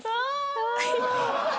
かわいい。